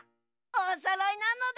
おそろいなのだ。